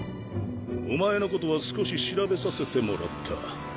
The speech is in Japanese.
お前のことは少し調べさせてもらった。